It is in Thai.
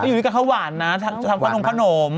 อยู่นี่กับข้าวหวานนะทำขนม